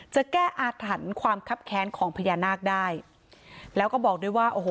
จะแก้อาถรรพ์ความคับแค้นของพญานาคได้แล้วก็บอกด้วยว่าโอ้โห